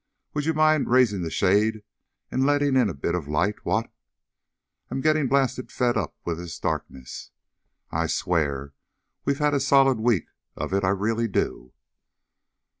"Would you mind raising the shade and letting in a bit of light, what? I'm getting blasted fed up with this darkness. I swear we've had a solid week of it. I really do."